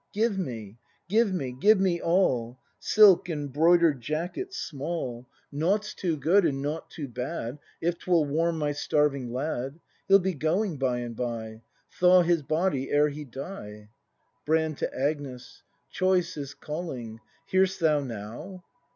Give me, give me! Give me all! Silk and broider'd jacket small! 204 BRAND [act iv Nought's too good, and nought too bad, If 'twill warm my starving lad. He'll be going by and by. Thaw his body ere he die! Brand. [To Agnes.] Choice is calling ! Hear'st thou now